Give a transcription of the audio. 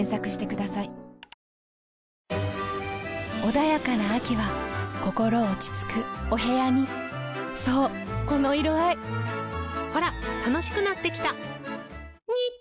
穏やかな秋は心落ち着くお部屋にそうこの色合いほら楽しくなってきた！